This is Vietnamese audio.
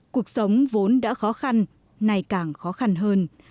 cuộc sống vốn đã khó khăn nay càng khó khăn hơn